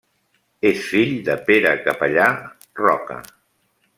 És fill de Pere Capellà Roca.